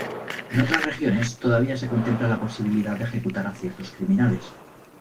En otras regiones todavía se contempla la posibilidad de ejecutar a ciertos criminales.